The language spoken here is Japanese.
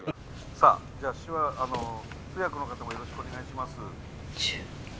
さあ通訳の方もよろしくお願いします。